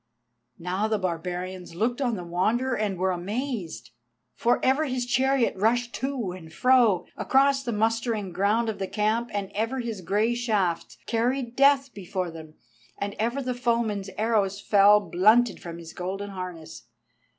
Now the barbarians looked on the Wanderer and were amazed. For ever his chariot rushed to and fro, across the mustering ground of the camp, and ever his grey shafts carried death before them, and ever the foemen's arrows fell blunted from his golden harness.